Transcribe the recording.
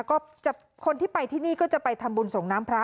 ก็คนที่ไปที่นี่ก็จะไปทำบุญส่งน้ำพระ